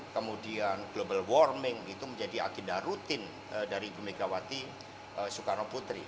kemudian global warming itu menjadi agenda rutin dari ibu megawati soekarno putri